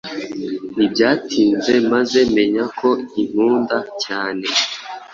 Ntibyatinze maze menya ko inkunda cyane